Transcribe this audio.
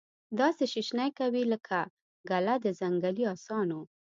داسي شیشنی کوي لکه ګله د ځنګلې اسانو